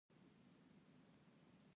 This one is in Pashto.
چې خدائے دې باچا کړه ـ